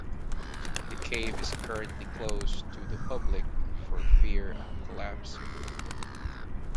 The cave is currently closed to the public for fear of collapse.